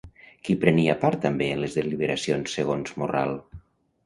Qui prenia part també en les deliberacions segons Morral?